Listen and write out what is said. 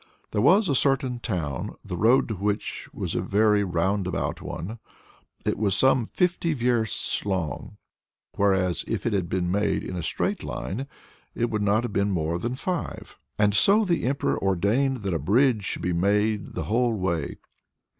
There was a certain town, the road to which was a very roundabout one. It was some fifty versts long, whereas if it had been made in a straight line it would not have been more than five. And so the Emperor ordained that a bridge should be made the whole way.